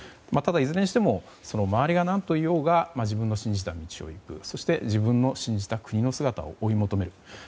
ただ、いずれにしても周りが何と言おうが自分の信じた道を行くそして自分の信じた国の姿を追い求める。